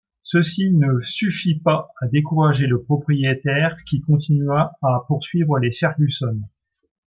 Ceci ne suffit pas à décourager le propriétaire qui continua à poursuivre les Furgusson.